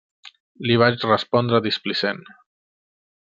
Li vaig respondre displicent.